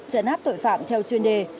trấn áp tội phạm theo chuyên đề